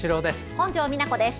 本庄美奈子です。